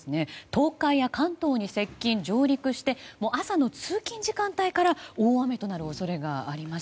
東海や関東に接近・上陸して朝の通勤時間帯から大雨となる可能性があります。